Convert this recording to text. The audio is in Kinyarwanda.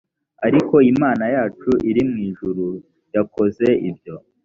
ariko imana yacu iri mu ijuru yakoze ibyo